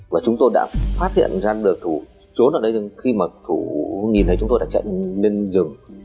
và chúng tôi đã phát hiện rằng đợt thủ trốn ở đây nhưng khi mà thủ nhìn thấy chúng tôi đã chạy lên rừng